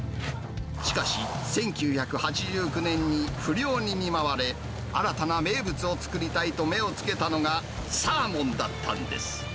しかし、１９８９年に不漁に見舞われ、新たな名物を作りたいと目をつけたのが、サーモンだったんです。